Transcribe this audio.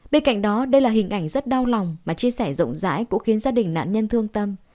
bên cạnh đó đây là hình ảnh rất đau lòng mà chia sẻ rộng rãi cũng khiến gia đình nạn nhân thương tâm